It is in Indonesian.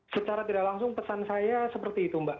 secara tidak langsung pesan saya seperti itu mbak